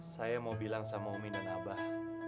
saya mau bilang sama omin dan abah